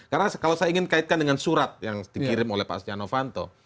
karena kalau saya ingin kaitkan dengan surat yang dikirim oleh pak stiano vanto